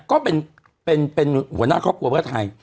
ก็เป็นหัวหน้าครอบครัวเพื่อไทย